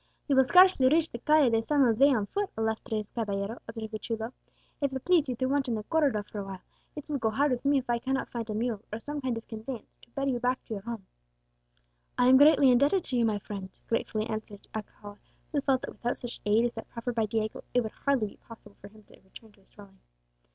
"You will scarcely reach the Calle de San José on foot, illustrious caballero," observed the chulo. "If it please you to wait in the corridor for awhile, it will go hard with me if I cannot find a mule, or some kind of conveyance, to bear you back to your home." "I am greatly indebted to you, my friend," gratefully answered Alcala, who felt that without such aid as that proffered by Diego, it would be hardly possible for him to return to his dwelling.